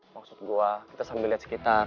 maksud gua kita sambil lihat sekitar